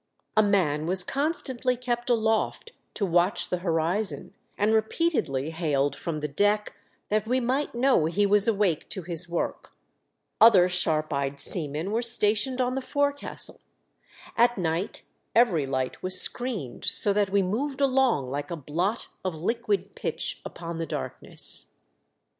A man was constantly kept aloft to watch the horizon, and repeatedly hailed from the deck that we might know he was awake to his work ; other sharp eyed seamen were stationed on the forecastle ; at night every light was screened, so that we moved along like a blot of liquid pitch upon the darkness.